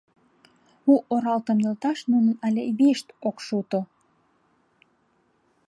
У оралтым нӧлташ нунын але вийышт ок шуто.